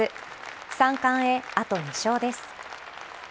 ３冠へ、あと２勝です。